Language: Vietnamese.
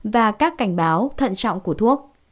và các cảnh báo thận trọng của thuốc